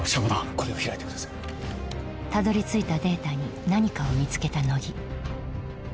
これを開いてくださいたどり着いたデータに何かを見つけた乃木